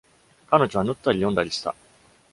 彼女は縫ったり読んだりした。